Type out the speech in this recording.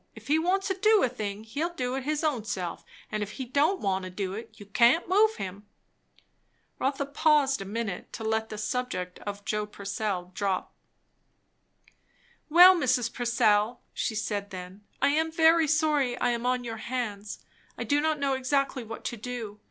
If he wants to do a thing, he'll do it his own self; and if he don't want to do it, you can't move him." Rotha paused a minute, to let the subject of Joe Puree 11 drop. "Well, Mrs. Purcell," she said then, "I am very sorry I am on your hands. I do not know exactly what to do.